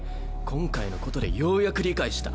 今回のことでようやく理解した。